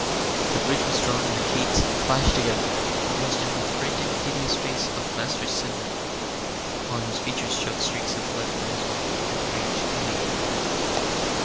The bridge was drawn and the gates clashed together, almost in the frantic, hideous face of Master Simeon, upon whose features showed streaks of blood from his wound and rage commingled.